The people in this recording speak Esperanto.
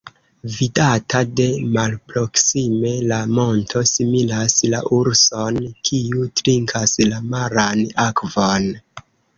Vidata de malproksime la monto similas la urson, kiu trinkas la maran akvon.